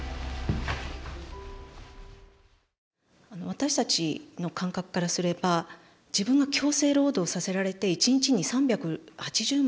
私たちの感覚からすれば自分が強制労働させられて１日に３８０枚もレンガを積む。